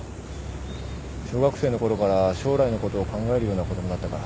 小学生のころから将来のことを考えるような子供だったから。